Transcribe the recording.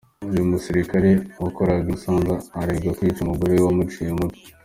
Uyu musirikare wakoreraga i Musanze aregwa kwica umugore we amuciye umutwe .